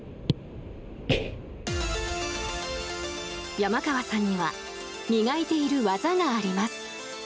山川さんには磨いている技があります。